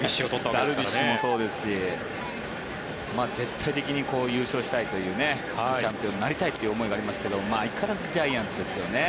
ダルビッシュもそうですし絶対的に優勝したいという地区チャンピオンになりたいという思いがありますが相変わらずジャイアンツですよね。